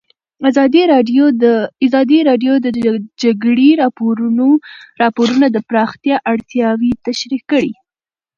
ازادي راډیو د د جګړې راپورونه د پراختیا اړتیاوې تشریح کړي.